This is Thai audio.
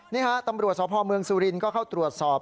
นี่ฮะตำรวจสพเมืองสุรินทร์ก็เข้าตรวจสอบ